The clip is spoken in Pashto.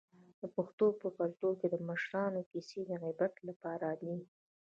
د پښتنو په کلتور کې د مشرانو کیسې د عبرت لپاره دي.